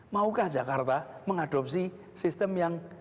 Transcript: maukah jakarta mengadopsi sistem yang